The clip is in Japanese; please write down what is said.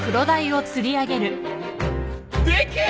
でけえ！